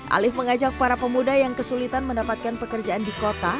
alif mengajak para pemuda yang kesulitan mendapatkan pekerjaan di kota